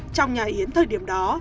trong nhà yến thời điểm đó